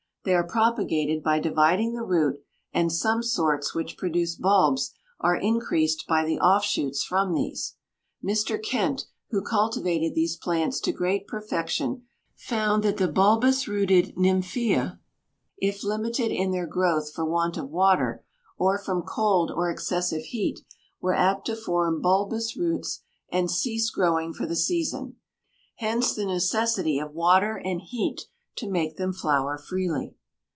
They are propagated by dividing the root, and some sorts which produce bulbs are increased by the offshoots from these. Mr. Kent, who cultivated these plants to great perfection, found that the bulbous rooted nymphæa, if limited in their growth for want of water, or from cold or excessive heat, were apt to form bulbous roots and cease growing for the season. Hence the necessity of water and heat to make them flower freely.